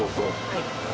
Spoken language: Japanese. はい。